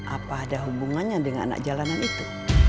apa ada hubungannya dengan anak jalanan itu